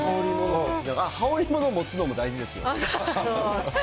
羽織りもの持つのも大事ですよ。